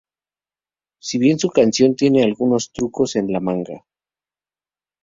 Si bien su canción tiene algunos trucos en la manga.